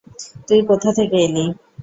তুই কোথা থেকে এলি?